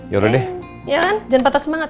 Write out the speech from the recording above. yaudah deh ya kan jangan patah semangat